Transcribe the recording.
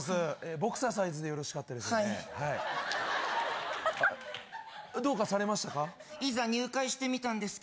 ボクササイズでよろしかったですね？